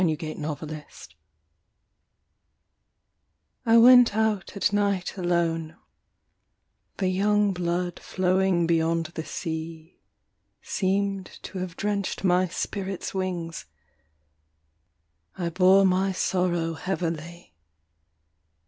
Winter Stars I went out at night alone; The young blood flowing beyond the sea Seemed to have drenched my spirit's wings I bore my sorrow heavily.